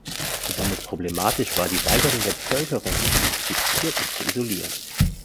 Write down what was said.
Besonders problematisch war die Weigerung der Bevölkerung, die Infizierten zu isolieren.